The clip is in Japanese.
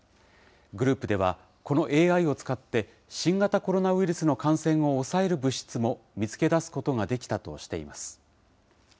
グループではこのＡＩを使って、新型コロナウイルスの感染を抑える物質も見つけ出すことができたとしています。